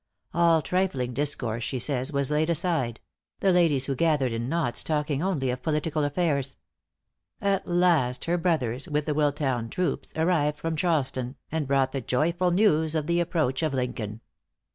All trifling discourse, she says, was laid aside the ladies who gathered in knots talking only of political affairs. At last her brothers, with the Willtown troops, arrived from Charleston, and brought the joyful news of the approach of Lincoln.